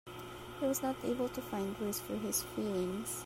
He was not able to find words for his feelings.